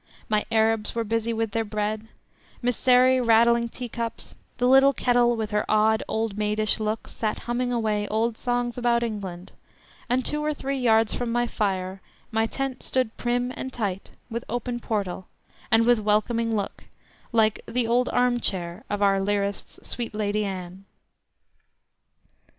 My Arabs were busy with their bread; Mysseri rattling tea cups; the little kettle, with her odd old maidish looks, sat humming away old songs about England; and two or three yards from the fire my tent stood prim and tight, with open portal, and with welcoming look, like "the old arm chair" of our lyrist's "sweet Lady Anne."